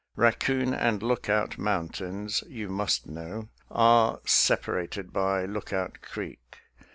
Raccoon and Lookout Mountains, you must know, are separated by Lookout Creek.